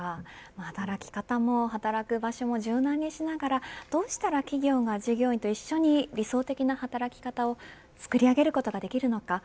働き方も働く場所も柔軟にしながらどうしたら企業が従業員と一緒に理想的な働き方をつくり上げることができるのか。